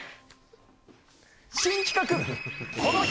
新企画！